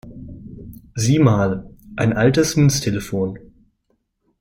Sieh mal, ein altes Münztelefon!